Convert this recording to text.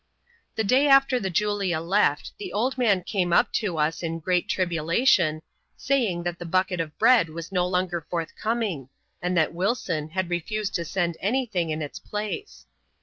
The day after the Julia left, the old man came up to us ia great tribulation, saying that the bucket of bread was no loiger forthcoming, and that Wilson had refused to send any thinf ii its place.